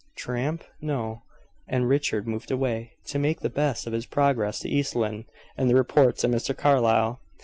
"Tramp? No." And Richard moved away, to make the best of his progress to East Lynne and report to Mr. Carlyle.